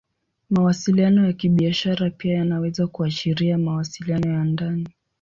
Mawasiliano ya Kibiashara pia yanaweza kuashiria mawasiliano ya ndani.